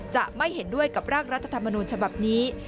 จะไม่เห็นด้วยกับร่างรัฐธรรมนูญฉบับนี้